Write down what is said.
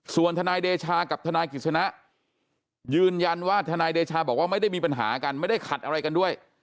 ส่วนทนายเดชากับทนายกิจสนะยืนยันว่าทนายเดชาบอกว่าไม่ได้มีปัญหากันไม่ได้ขัดอะไรกันด้วย